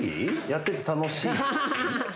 やってて楽しい？